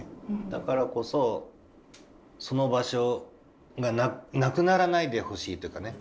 だからこそその場所がなくならないでほしいというかね